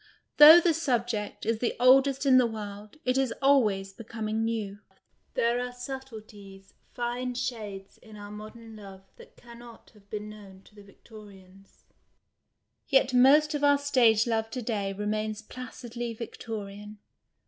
Though the siibjeet is the oldest in the world, it is always becoming new. There are subtleties, fine shades, in our modern love that can not have been known to the Victorians ; yet most of our stage love to day remains placidly Victorian.